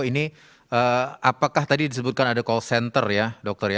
ini apakah tadi disebutkan ada call center ya dokter ya